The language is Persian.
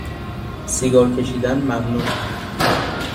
سیگار کشیدن ممنوع